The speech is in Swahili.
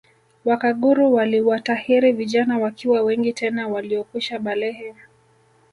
Wakaguru waliwatahiri vijana wakiwa wengi tena waliokwisha balehe